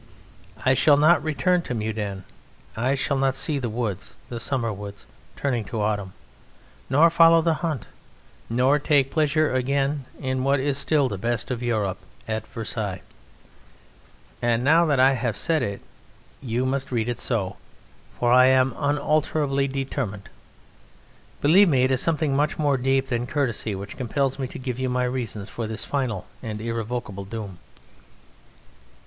I shall not return to Meudon. I shall not see the woods, the summer woods turning to autumn, nor follow the hunt, nor take pleasure again in what is still the best of Europe at Versailles. And now that I have said it, you must read it so; for I am unalterably determined. Believe me, it is something much more deep than courtesy which compels me to give you my reasons for this final and irrevocable doom.